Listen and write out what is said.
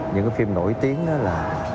những cái phim nổi tiếng đó là